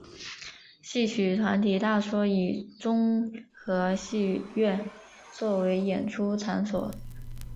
戏曲团体大多以中和戏院作为演出场所。